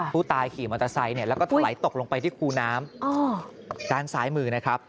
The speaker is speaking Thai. ผู้ตายขี่มอเตอร์ไซค์แล้วก็ถลายตกลงไปที่คูน้ำด้านซ้ายมือนะครับ